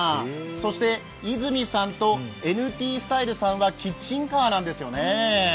そして、いづみさんとＮＴＳｔｙｌｅさんはキッチンカーなんですね。